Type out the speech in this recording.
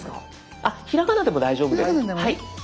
あっひらがなでも大丈夫です。